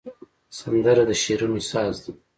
سندره د شعرونو ساز ده